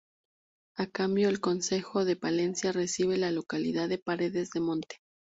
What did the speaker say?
A cambio el concejo de Palencia recibe la localidad de Paredes de Monte.